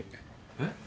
えっ？